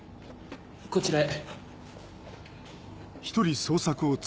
こちらへ。